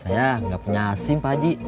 saya nggak punya sim pak haji